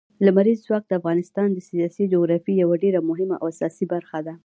لمریز ځواک د افغانستان د سیاسي جغرافیې یوه ډېره مهمه او اساسي برخه ده.